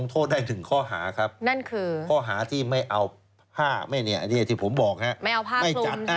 ก็ได้ถึงข้อหาครับข้อหาที่ไม่เอาผ้าไม่เนี่ยที่ผมบอกครับ